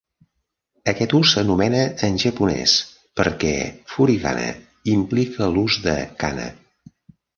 Aquest ús s'anomena en japonès, perquè "furigana implica l'ús de kana".